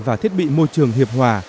và thiết bị môi trường hiệp hòa